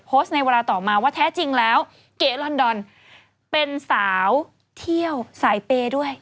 ในเวลาต่อมาว่าแท้จริงแล้วเก๋ลอนดอนเป็นสาวเที่ยวสายเปย์ด้วย